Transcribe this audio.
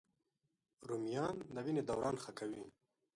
رومیان د وینې دوران ښه کوي